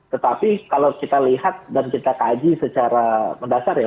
tetapi kalau kita lihat dan kita kaji secara mendasar ya